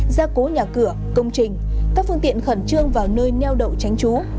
gia cố nhà cửa công trình các phương tiện khẩn trương vào nơi neo đậu tránh trú